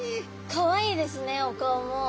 かわいいですねお顔も。